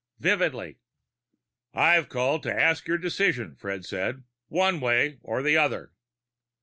"Vividly." "I've called to ask for your decision," Fred said. "One way or the other."